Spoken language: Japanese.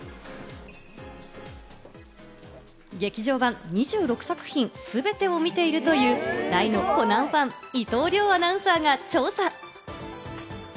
劇場版２６作品すべてを見ているという大のコナンファン・伊藤遼アナウンサーが調査。